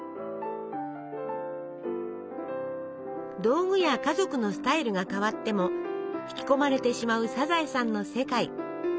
道具や家族のスタイルが変わっても引き込まれてしまう「サザエさん」の世界。